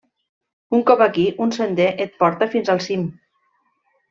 Un cop aquí un sender et porta fins al cim.